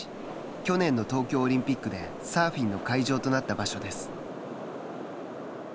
去年の東京オリンピックでサーフィンの会場となった場所です。